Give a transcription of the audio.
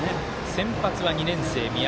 先発は２年生、三宅。